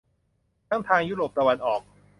ทั้งทางยุโรปตะวันออก